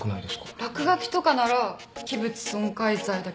落書きとかなら器物損壊罪だけどね。